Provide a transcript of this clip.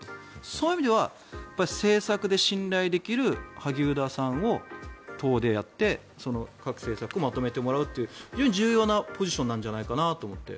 そういう意味では政策で信頼できる萩生田さんを党でやって各政策をまとめてもらうという非常に重要なポジションなんじゃないかと。